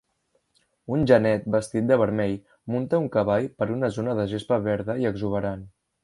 Un genet vestit de vermell munta un cavall per una zona de gespa verda i exuberant.